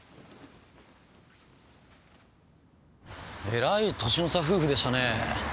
えらい年の差夫婦でしたね。